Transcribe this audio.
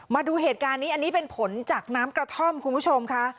มาดูเหตุการณ์นี้อันนี้เป็นผลจากน้ำกระท่อมคุณผู้ชมค่ะ